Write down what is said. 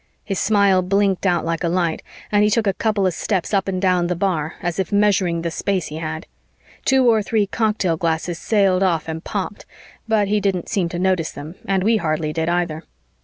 His smile blinked out like a light and he took a couple of steps up and down the bar, as if measuring the space he had. Two or three cocktail glasses sailed off and popped, but he didn't seem to notice them and we hardly did either.